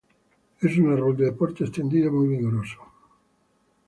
Es un árbol de porte extendido muy vigoroso.